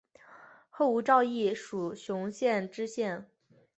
后吴兆毅署雄县知县。